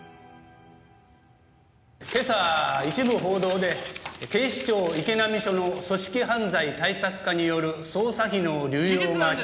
今朝一部報道で警視庁池波署の組織犯罪対策課による捜査費の流用が。